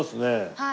はい。